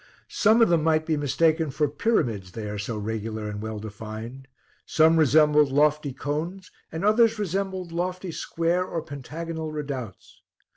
Some of them might be mistaken for pyramids, they are so regular and well defined; some resembled lofty cones, and others resembled lofty square or pentagonal redoubts.